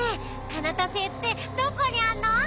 カナタ星ってどこにあんの？